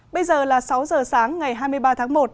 bây giờ là sáu giờ sáng ngày hai mươi ba tháng một